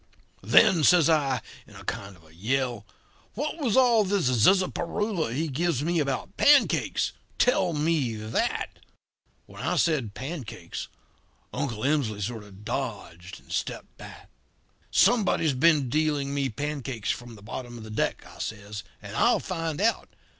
"'Then,' says I, in a kind of yell, 'what was all this zizzaparoola he gives me about pancakes? Tell me that.' "When I said 'pancakes' Uncle Emsley sort of dodged and stepped back. "'Somebody's been dealing me pancakes from the bottom of the deck,' I says, 'and I'll find out.